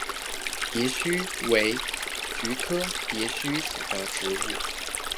蝶须为菊科蝶须属的植物。